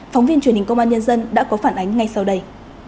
phóng viên truyền hình công an nhân dân đã có phản ánh ngay sau đây